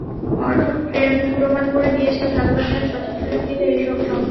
অর্জুন প্রমাণ করে দিয়েছে, ভালোবাসা আর সঠিক সুযোগ দিলে, এইসবও সম্ভব।